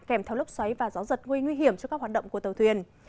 kèm theo lốc xoáy và gió giật nguy nguy hiểm cho các hoạt động của tàu thuyền